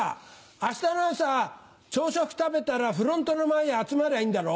明日の朝朝食食べたらフロントの前に集まりゃいいんだろ？